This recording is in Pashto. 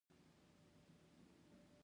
نجلۍ د مینې سندره ده.